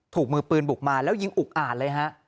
ถูกมือปืนบุกมาแล้วยิงอุกอ่านเลยฮะ